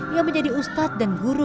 yang menjadi ustadz dan guru